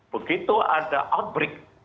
begitu ada outbreak